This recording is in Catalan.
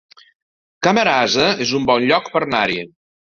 Camarasa es un bon lloc per anar-hi